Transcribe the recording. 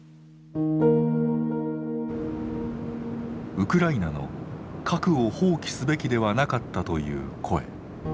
ウクライナの「核を放棄すべきではなかった」という声。